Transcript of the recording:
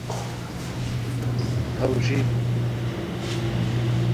تھاؤشی